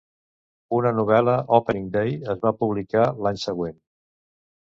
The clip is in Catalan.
Una novel·la, "Opening Day", es va publicar l'any següent.